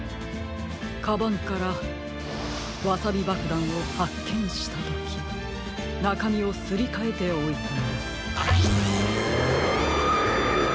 カバンからワサビばくだんをはっけんしたときなかみをすりかえておいたのです。